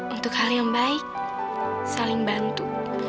untuk hal yang baik saling bantu